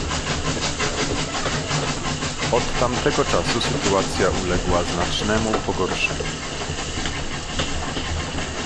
Od tamtego czasu sytuacja uległa znacznemu pogorszeniu